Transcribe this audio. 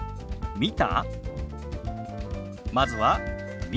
「見た？」。